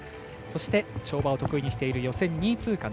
そして跳馬を得意にしている予選２位通過